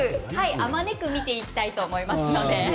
あまねく見ていきたいと思います。